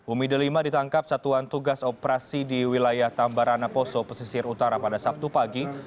umi delima ditangkap satuan tugas operasi di wilayah tambarana poso pesisir utara pada sabtu pagi